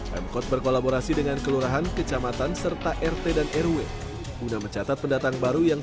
pemkot berkolaborasi dengan kelurahan kecamatan serta rt dan rw guna mencatat pendatang baru yang